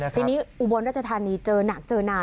ทีนี้อุบลราชธานีเจอหนักเจอนาน